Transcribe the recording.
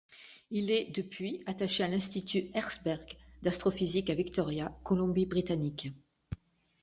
Il est depuis attaché à l'Institut Herzberg d'astrophysique à Victoria, Colombie-Britannique.